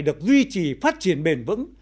được duy trì phát triển bền vững